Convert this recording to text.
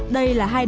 đây là hai đại tá